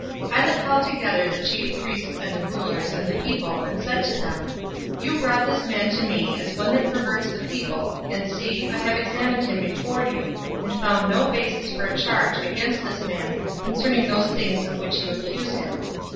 023:013 Pilate called together the chief priests and the rulers and the people, 023:014 and said to them, "You brought this man to me as one that perverts the people, and see, I have examined him before you, and found no basis for a charge against this man concerning those things of which you accuse him.